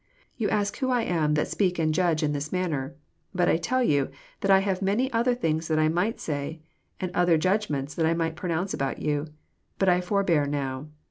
You ask who I am that speak and Judge in this manner. But I tell you* that I have many other things that I might say, and other Judgments that I might pronounce about you. But I forbear now.